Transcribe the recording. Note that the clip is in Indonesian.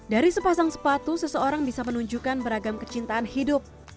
dari sepasang sepatu seseorang bisa menunjukkan beragam kecintaan hidup